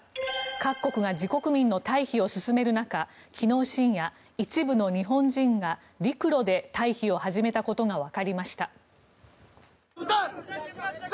各国が自国民の退避を進める中昨日深夜、一部の日本人が陸路で退避を始めたことがわかりました。